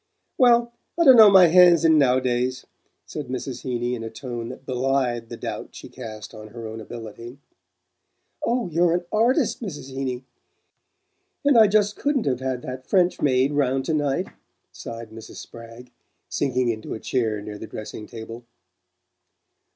"Well I dunno's my hand's in nowadays," said Mrs. Heeny in a tone that belied the doubt she cast on her own ability. "Oh, you're an ARTIST, Mrs. Heeny and I just couldn't have had that French maid 'round to night," sighed Mrs. Spragg, sinking into a chair near the dressing table.